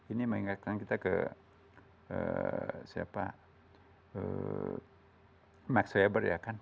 ini mengingatkan kita ke max weber ya kan